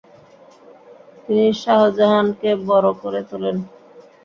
তিনি শাহজাহান কে বড় করে তোলেন।